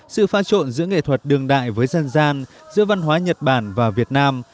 sự pha trộn giữa nghệ thuật đường đại với dân gian giữa văn hóa nhật bản và việt nam